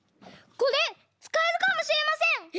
これつかえるかもしれません！